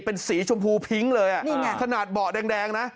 เป็นสีชมพูพิ้งเลยอ่ะนี่ไงขนาดเบาะแดงนะ